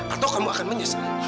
atau kamu akan menyesal